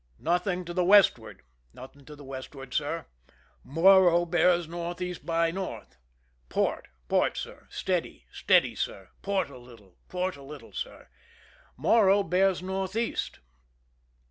" Nothing to the westward I "" Nothing to the westward, sir." Morro bears north east by north. " Port !"" Port, sir." " Steady !"" Steady, sir." " Port a little !"" Port a little, sir." Morro bears northeast.